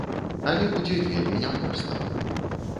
Але будзе вельмі няпроста.